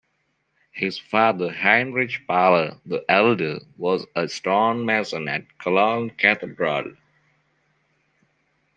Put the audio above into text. His father, Heinrich Parler the Elder, was a stonemason at Cologne Cathedral.